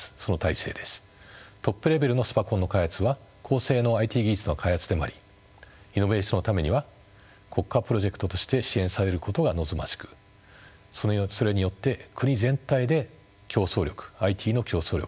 トップレベルのスパコンの開発は高性能ＩＴ技術の開発でもありイノベーションのためには国家プロジェクトとして支援されることが望ましくそれによって国全体で競争力ＩＴの競争力